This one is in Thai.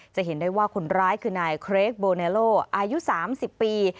จะเห็นได้ว่าคนร้ายคือนายเครกโบเนโลอายุ๓๐ปี